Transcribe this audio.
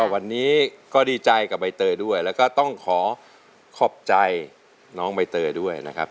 วันนี้ก็ดีใจกับใบเตยด้วยแล้วก็ต้องขอขอบใจน้องใบเตยด้วยนะครับ